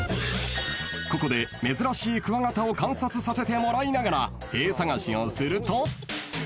［ここで珍しいクワガタを観察させてもらいながらへぇー探しをすると］